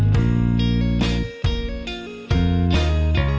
แต่ละ